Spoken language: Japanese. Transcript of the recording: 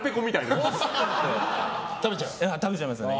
食べちゃいますね。